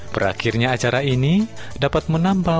berakhirnya acara ini dapat menambah